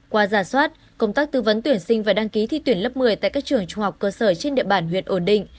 qua giả soát công tác tư vấn tuyển sinh và đăng ký thi tuyển lớp một mươi tại các trường trung học cơ sở trên địa bàn huyện ổn định